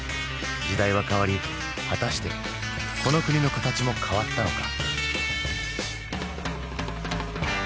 時代は変わり果たしてこの国の形も変わったのか？